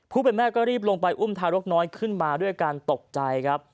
แม่ก็รีบลงไปอุ้มทารกน้อยขึ้นมาด้วยการตกใจครับ